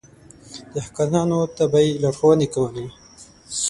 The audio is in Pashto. دهقانانو ته به يې لارښونې کولې.